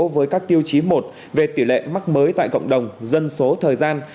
với các tiêu chí một về tỷ lệ mắc mới tại cộng đồng dân số thời gian